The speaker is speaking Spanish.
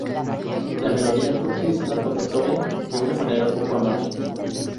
La melodía fue utilizada por Beethoven de una manera poco amable.